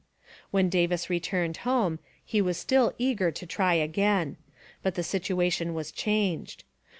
When Davis returned home, he was still eager to try again. But the situation was changed.